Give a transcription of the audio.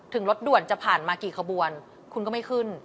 รถด่วนจะผ่านมากี่ขบวนคุณก็ไม่ขึ้น